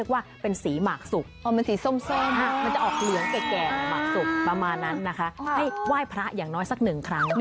ให้ไหว้พระอย่างน้อยสัก๑ครั้ง